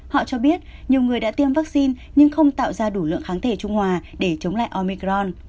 họ cho biết nhiều người đã tiêm vaccine nhưng không tạo ra đủ lượng kháng thể trung hòa để chống lại omicron